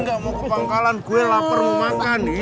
gue gak mau ke pangkalan gue lapar mau makan